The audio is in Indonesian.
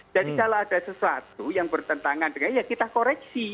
jadi kalau ada sesuatu yang bertentangan dengan ya kita koreksi